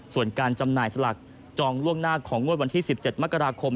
ส่วนการจำหน่ายสลากจองล่วงหน้าของงวดวันที่๑๗มกราคม